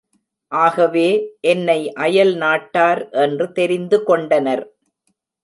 ஆகவே, என்னை அயல்நாட்டார் என்று தெரிந்து கொண்டனர்.